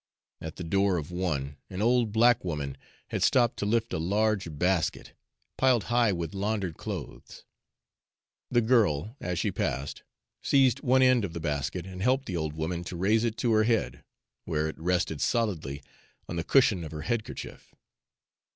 At the door of one, an old black woman had stooped to lift a large basket, piled high with laundered clothes. The girl, as she passed, seized one end of the basket and helped the old woman to raise it to her head, where it rested solidly on the cushion of her head kerchief.